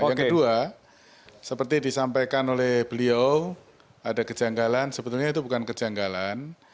yang kedua seperti disampaikan oleh beliau ada kejanggalan sebetulnya itu bukan kejanggalan